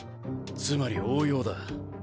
つまり応用だ。